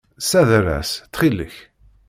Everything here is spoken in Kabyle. Ssader-as, ttxil-k.